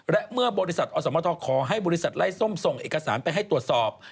และเมื่อบริษัทอสมทขอให้บริษัทไล่ส้มส่งเอกสารไปให้ตรวจสอบ